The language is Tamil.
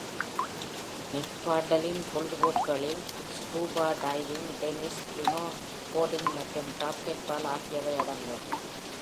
மெக்பார்ட்லினின் பொழுதுபோக்குகளில் ஸ்கூபா டைவிங், டென்னிஸ், ஸ்னோபோர்டிங் மற்றும் ராக்கெட்பால் ஆகியவை அடங்கும்.